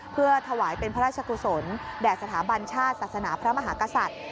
เพื่อถวายเป็นพระราชกุศลแด่สถาบันชาติศาสนาพระมหากษัตริย์